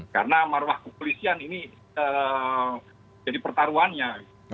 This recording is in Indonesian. karena marwah kepolisian ini jadi pertaruhannya